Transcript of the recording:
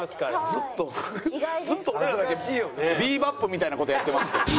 ずっとずっと俺らだけ『ビー・バップ』みたいな事やってますけど。